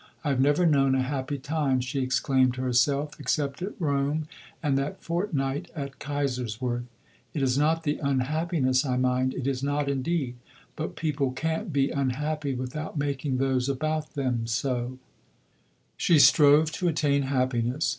"I have never known a happy time," she exclaimed to herself, "except at Rome and that fortnight at Kaiserswerth. It is not the unhappiness I mind, it is not indeed; but people can't be unhappy without making those about them so." Suggestions for Thought, vol. ii. pp. 236, 237. She strove to attain happiness.